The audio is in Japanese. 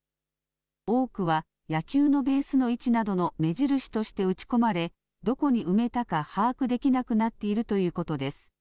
多くは野球のベースの位置などの目印として打ち込まれ、どこに埋めたか把握できなくなっているということです。